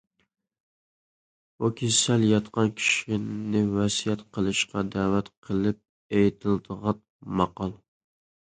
بۇ كېسەل ياتقان كىشىنى ۋەسىيەت قىلىشقا دەۋەت قىلىپ ئېيتىلىدىغان ماقال.